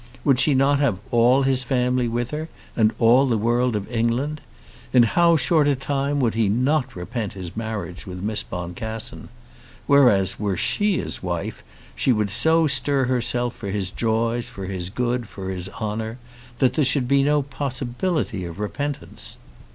Would she not have all his family with her, and all the world of England? In how short a time would he not repent his marriage with Miss Boncassen! Whereas, were she his wife, she would so stir herself for his joys, for his good, for his honour, that there should be no possibility of repentance.